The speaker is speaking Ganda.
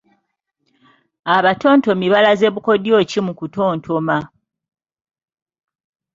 Abatontomi balaze bukodyo ki mu kutontoma?